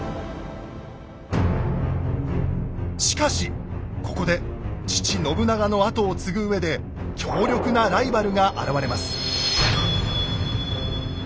しかしここで父・信長の跡を継ぐうえで強力なライバルが現れます。